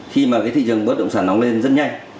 khi mà cái thị trường bất động sản nóng lên rất nhanh